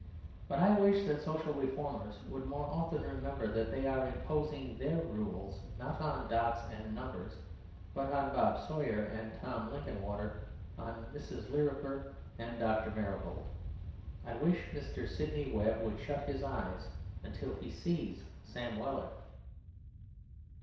But I wish that social reformers would more often remember that they are imposing their rules not on dots and numbers, but on Bob Sawyer and Tim Linkinwater, on Mrs. Lirriper and Dr. Marigold. I wish Mr. Sidney Webb would shut his eyes until he sees Sam Weller.